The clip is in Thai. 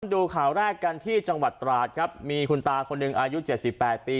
ดูข่าวแรกกันที่จังหวัดตราดครับมีคุณตาคนหนึ่งอายุ๗๘ปี